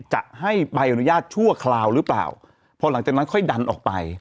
จะให้ใบอนุญาตชั่วคราวหรือเปล่าพอหลังจากนั้นค่อยดันออกไป